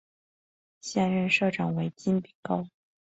现任社长为金炳镐。